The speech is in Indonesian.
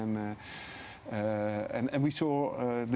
dan kami melihat